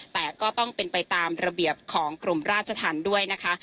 แต่ก็ต้องเป็นไปตามระเบียบของกรมราชธรรมด้วยนะคะ